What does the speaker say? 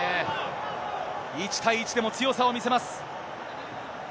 １対１でも強さを見せます。